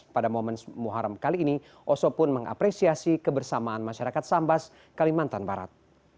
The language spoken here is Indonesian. pada momen muharam kali ini oso pun mengapresiasi kebersamaan masyarakat sambas kalimantan barat